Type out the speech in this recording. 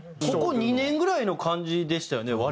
ここ２年ぐらいの感じでしたよね